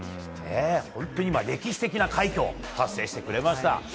本当に歴史的な快挙を達成してくれました。